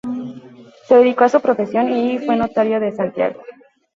Se dedicó a su profesión y fue Notario de Santiago.